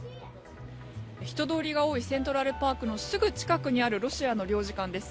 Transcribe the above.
人通りが多いセントラルパークのすぐ近くにあるロシアの領事館です。